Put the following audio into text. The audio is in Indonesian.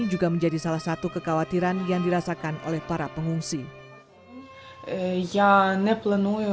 juga menjadi salah satu kekhawatiran yang dirasakan oleh para pengungsi ya neplon uyo